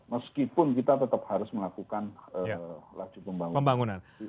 meskipun kita tetap harus melakukan laju pembangunan